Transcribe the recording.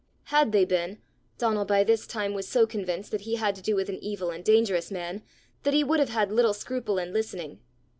Had they been, Donal by this time was so convinced that he had to do with an evil and dangerous man, that he would have had little scruple in listening.